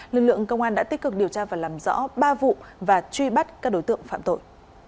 lực lượng công an đã tích cực điều tra và làm rõ ba vụ và truy bắt các đối tượng phạm tội